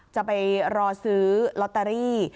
จะไปรอซื้อล็อตตารี